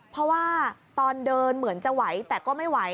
เพราะว่าตอนเดินเหมือนจะไหวแต่ก็ไม่ไหว